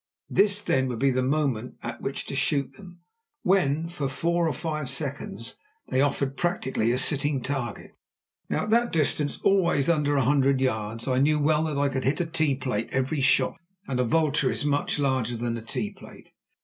This, then, would be the moment at which to shoot them, when for four or five seconds they offered practically a sitting target. Now, at that distance, always under a hundred yards, I knew well that I could hit a tea plate every shot, and a vulture is much larger than a tea plate.